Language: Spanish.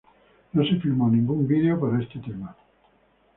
No se filmó ningún video para este tema.